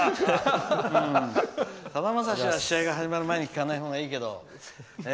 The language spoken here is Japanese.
さだまさしは試合が始まる前に聴かない方がいいけど。